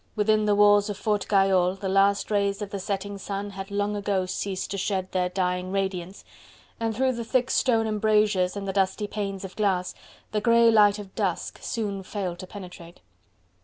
Within the walls of Fort Gayole the last rays of the setting sun had long ago ceased to shed their dying radiance, and through the thick stone embrasures and the dusty panes of glass, the grey light of dusk soon failed to penetrate.